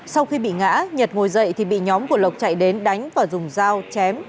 sau khi bị ngã nhật ngồi dậy thì bị nhóm của lộc chạy đến đánh và dùng dao chém